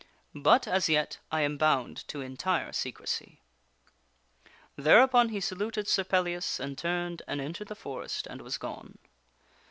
But, as yet, I am bound to entire secrecy." Thereupon he saluted Sir Pellias and turned and entered the forest and was gone.